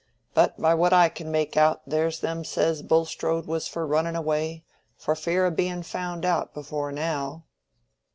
"But by what I can make out, there's them says Bulstrode was for running away, for fear o' being found out, before now."